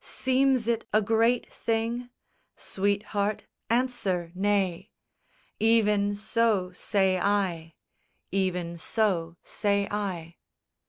Seems it a great thing? Sweetheart, answer nay; Even so say I; Even so say I.